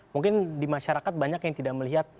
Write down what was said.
mungkin di masyarakat banyak yang tidak melihat